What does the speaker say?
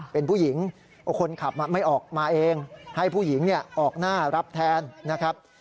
เป็นผู้หญิงคนขับไม่ออกมาเองให้ผู้หญิงออกหน้ารับแทนนะครับ